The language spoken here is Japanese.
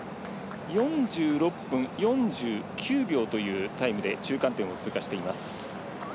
４６分４９秒というタイムで中間点を通過しています。